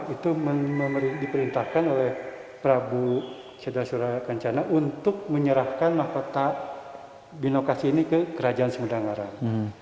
itu diperintahkan oleh prabu saudara saudara kencana untuk menyerahkan mahkota binokasi ini ke kerajaan sumedang ngarang